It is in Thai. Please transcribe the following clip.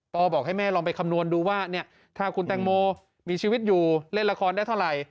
บอกให้แม่ลองไปคำนวณดูว่าถ้าคุณแตงโมมีชีวิตอยู่เล่นละครได้เท่าไหร่